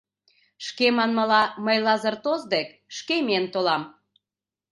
— Шке манмыла, мый Лазыр тос дек шке миен толам.